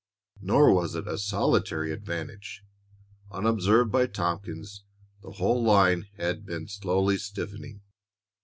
Nor was it a solitary advantage. Unobserved by Tompkins, the whole line had been slowly stiffening.